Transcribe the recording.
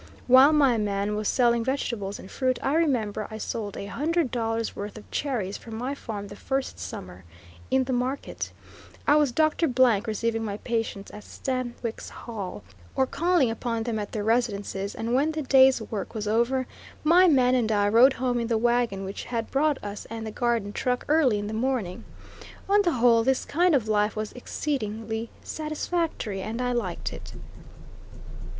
While my man was selling vegetables and fruit I remember I sold a hundred dollars worth of cherries from my farm the first summer in the market, I was Doctor Blank receiving my patients at Stanwix Hall, or calling upon them at their residences; and when the day's work was over, my man and I rode home in the wagon which had brought us and the garden truck early in the morning. On the whole, this kind of life was exceedingly satisfactory, and I liked it.